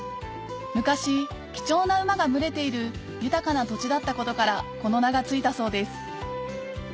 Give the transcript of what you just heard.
昔貴重な馬が群れている豊かな土地だったことからこの名が付いたそうです